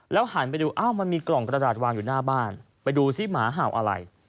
หันไปดูอ้าวมันมีกล่องกระดาษวางอยู่หน้าบ้านไปดูซิหมาเห่าอะไร